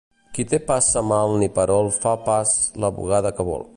Qui té pas semal ni perol fa pas la bugada quan vol.